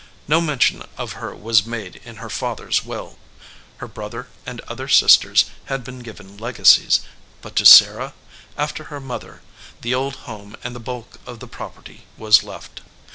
No mention of her was made in her father s will. Her brother and other sisters had been given legacies, but to Sarah, after her mother, the old home and the bulk of the property was left.